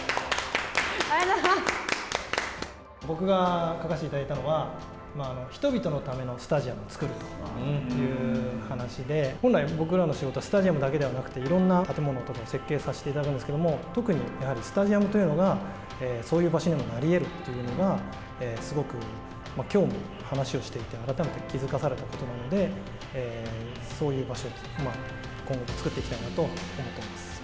僕が書かせていただいたのは、人々のためのスタジアムを作るという話で、本来、僕らの仕事は、スタジアムだけではなくて、いろんな建物とかを設計させていただくんですけど、特にスタジアムというのが、そういう場所にも成り得るというのが、すごくきょうも話をしていて、改めて気付かされたことなので、そういう場所、今後作っていきたいなと思ってます。